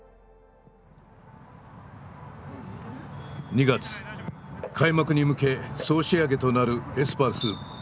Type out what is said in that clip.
２月開幕に向け総仕上げとなるエスパルス鹿児島キャンプ。